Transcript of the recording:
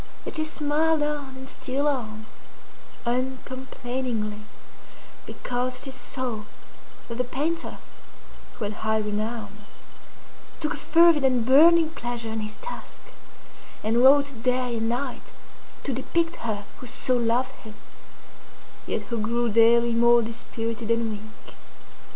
Yet she smiled on and still on, uncomplainingly, because she saw that the painter (who had high renown) took a fervid and burning pleasure in his task, and wrought day and night to depict her who so loved him, yet who grew daily more dispirited and weak.